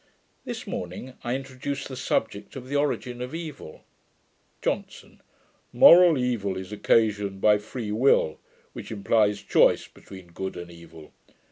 This morning I introduced the subject of the origin of evil. JOHNSON. 'Moral evil is occasioned by free will, which implies choice between good and evil.